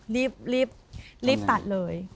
รีบตัดเลย